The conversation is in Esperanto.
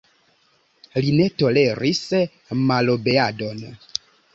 Li ne toleris malobeadon.